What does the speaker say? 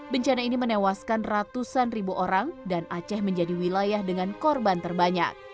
bencana ini menewaskan ratusan ribu orang dan aceh menjadi wilayah dengan korban terbanyak